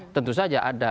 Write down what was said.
tentu saja ada